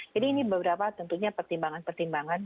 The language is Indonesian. jadi ini beberapa tentunya pertimbangan pertimbangan